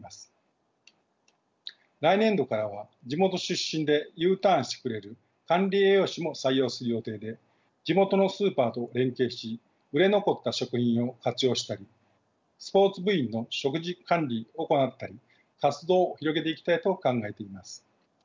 来年度からは地元出身でＵターンしてくれる管理栄養士も採用する予定で地元のスーパーと連携し売れ残った食品を活用したりスポーツ部員の食事管理を行ったり活動を広げていきたいと考えています。